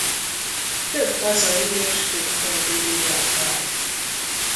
Több hazai és külföldi díjat nyert.